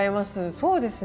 そうですね。